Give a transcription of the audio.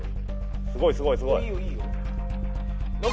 すごいすごいすごい！